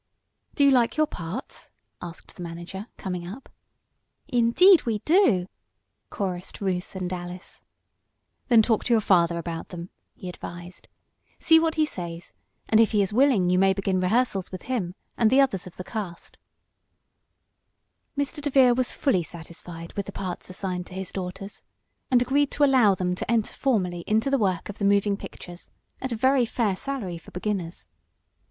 "Do you like your parts?" asked the manager, coming up. "Indeed we do!" chorused Ruth and Alice. "Then talk to your father about them," he advised. "See what he says, and if he is willing you may begin rehearsals with him, and the others of the cast." Mr. DeVere was fully satisfied with the parts assigned to his daughters, and agreed to allow them to enter formally into the work of the moving pictures at a very fair salary for beginners.